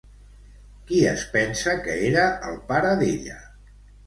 Qui es pensa que era el pare d'ella?